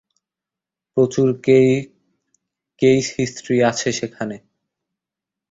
প্রচুর case history আছে সেখানে।